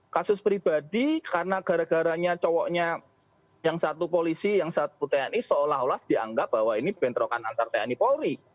kasus pribadi karena gara garanya cowoknya yang satu polisi yang satu tni seolah olah dianggap bahwa ini bentrokan antar tni polri